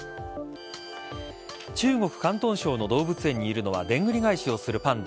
中国・広東省の動物園にいるのはでんぐり返しをするパンダ。